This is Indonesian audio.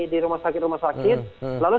di rumah sakit rumah sakit lalu